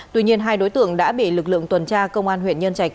tuy nhiên hai đối tượng đã bị lực lượng tuần tra công an huyện nhân trạch